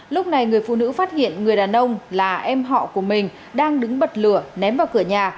lúc này người phụ nữ phát hiện người đàn ông là em họ của mình đang đứng bật lửa ném vào cửa nhà